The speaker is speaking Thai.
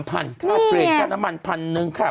ถ้าเทรนการ์น้ำมัน๑๐๐๐บาทค่ะ